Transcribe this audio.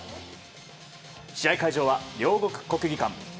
試合会場は両国国技館。